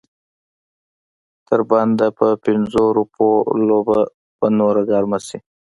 د تر بنده په پنځو روپو لوبه به نوره ګرمه شي.